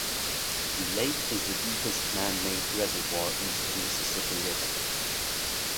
The lake is the deepest manmade reservoir east of Mississippi river.